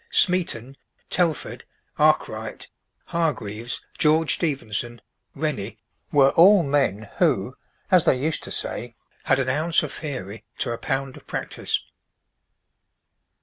Smeaton, Telford, Arkwright, Hargreaves, George Stephenson, Rennie, were all men who, as they used to say, had "an ounce of theory to a pound of practice."